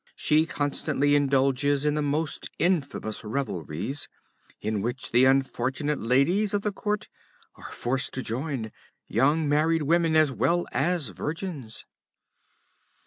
She constantly indulges in the most infamous revelries, in which the unfortunate ladies of the court are forced to join, young married women as well as virgins.